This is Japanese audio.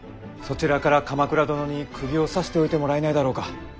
そちらから鎌倉殿にくぎを刺しておいてもらえないだろうか。